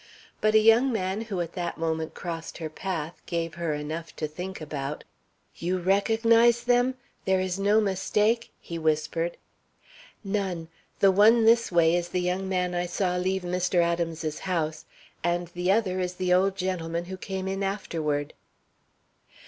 But a young man who at that moment crossed her path gave her enough to think about. "You recognize them? There is no mistake?" he whispered. "None; the one this way is the young man I saw leave Mr. Adams's house, and the other is the old gentleman who came in afterward."